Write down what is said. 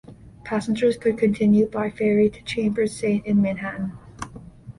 Passengers could continue by ferry to Chambers Saint in Manhattan.